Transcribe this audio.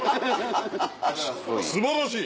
素晴らしい！